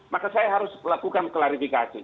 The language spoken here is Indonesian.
maka saya harus lakukan klarifikasi